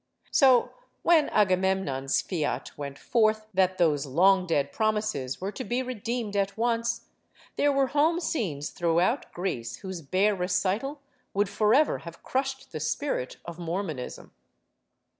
So, when Agamemnon's fiat went forth that those long dead promises were to be redeeemed at once, there were home scenes throughout Greece whose bare recital would forever have crushed the spirit of Mor monism.